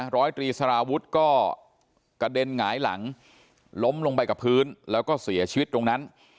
ร้อยตรีสารวุฒิก็กระเด็นหงายหลังล้มลงไปกับพื้นแล้วก็เสียชีวิตตรงนั้น